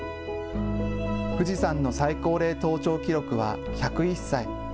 富士山の最高齢登頂記録は１０１歳。